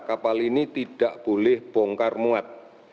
kapal ini tidak boleh bongkar muat